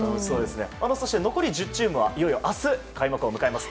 そして、残り１０チームは明日、開幕を迎えます。